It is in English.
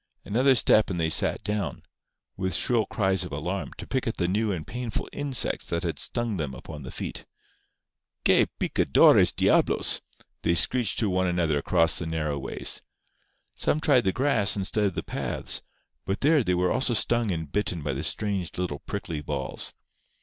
Another step and they sat down, with shrill cries of alarm, to pick at the new and painful insects that had stung them upon the feet. "Qué picadores diablos!" they screeched to one another across the narrow ways. Some tried the grass instead of the paths, but there they were also stung and bitten by the strange little prickly balls.